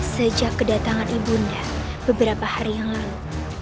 sejak kedatangan ibunda beberapa hari yang lalu